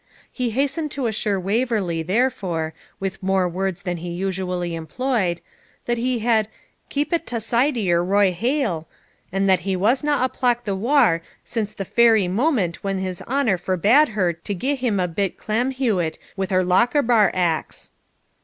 He hastened to assure Waverley, therefore, with more words than he usually employed, that he had 'keepit ta sidier roy haill, and that he wasna a plack the waur since the fery moment when his honour forbad her to gie him a bit clamhewit wi' her Lochaber axe.'